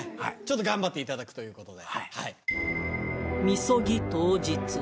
頑張っていただくということで。